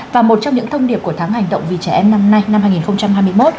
và một trong những thông điệp của tháng hành động vì trẻ em năm nay năm hai nghìn hai mươi một